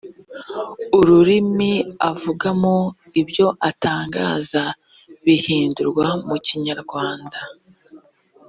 ururimi avugamo ibyo atangaza bihindurwa mukinyarwanda